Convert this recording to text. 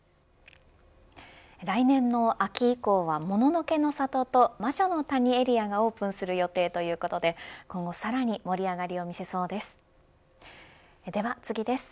来年の秋以降はもののけの里と魔女の谷エリアがオープンする予定ということで今後さらに盛り上がりを見せそうです。